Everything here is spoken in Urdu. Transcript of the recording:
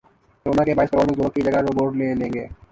کورونا کے باعث کروڑ مزدوروں کی جگہ روبوٹ لے لیں گے